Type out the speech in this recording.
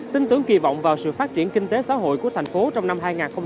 tin tưởng kỳ vọng vào sự phát triển kinh tế xã hội của thành phố trong năm hai nghìn hai mươi